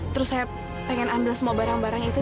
terus saya pengen ambil semua barang barang itu